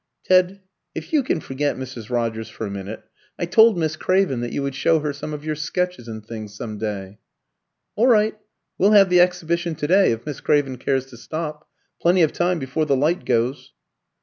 "Ted if you can forget Mrs. Rogers for a minute I told Miss Craven that you would show her some of your sketches and things some day." "All right; we'll have the exhibition to day, if Miss Craven cares to stop. Plenty of time before the light goes."